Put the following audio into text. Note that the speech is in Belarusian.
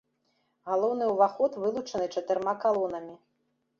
Галоўны ўваход вылучаны чатырма калонамі.